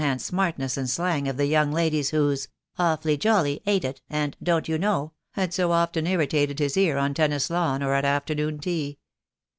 277 hand smartness and slang of the young ladies whose "Awfully jolly,'"' "Ain't it," and "Don't you know," had so often irritated his ear on tennis lawn or at afternoon tea.